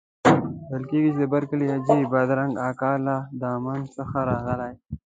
ویل کېږي د برکلي حاجي بادرنګ اکا له دمان څخه راغلی.